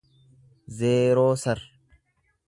zeerooser